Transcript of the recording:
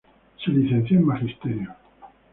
Se licenció en Magisterio.